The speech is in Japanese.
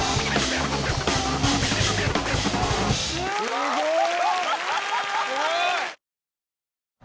すごい！